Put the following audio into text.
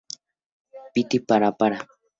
piti, para, para.